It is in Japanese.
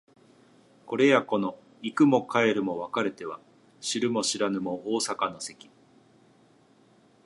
これやこの行くも帰るも別れては知るも知らぬも逢坂の関